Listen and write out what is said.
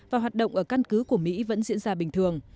và hoạt động ở căn cứ của mỹ vẫn diễn ra bình thường